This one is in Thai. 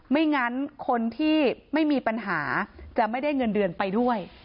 ไม่งั้นคนที่ไม่มีปัญหาจะไม่ได้เงินเดือนไปด้วย